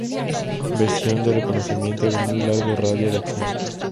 Versión de reconocimiento de muy largo radio de acción.